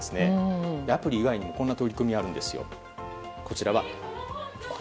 アプリ以外にもこんな取り組みがあるんです。